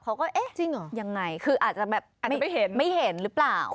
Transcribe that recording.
เขาก็เอ๊ะยังไงคืออาจจะแบบไม่เห็นหรือเปล่าจริงหรอ